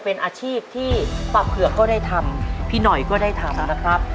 เป็นอาชีพที่ป้าเผือกก็ได้ทำพี่หน่อยก็ได้ทำนะครับ